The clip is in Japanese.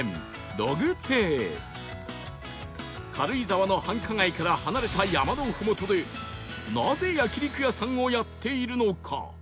軽井沢の繁華街から離れた山のふもとでなぜ焼肉屋さんをやっているのか？